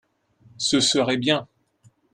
ce serait bien.